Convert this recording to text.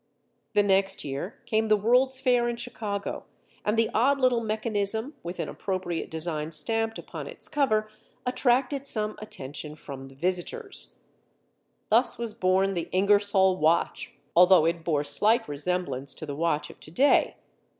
The next year, came the World's Fair in Chicago and the odd little mechanism with an appropriate design stamped upon its cover attracted some attention from the visitors. Thus was born the Ingersoll watch, although it bore slight resemblance to the watch of to day.